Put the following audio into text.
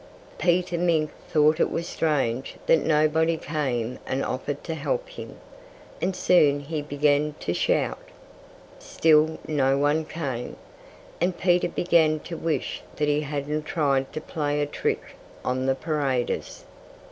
Peter Mink thought it was strange that nobody came and offered to help him. And soon he began to shout. Still no one came. And Peter began to wish that he hadn't tried to play a trick on the paraders.